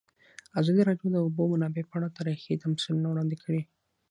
ازادي راډیو د د اوبو منابع په اړه تاریخي تمثیلونه وړاندې کړي.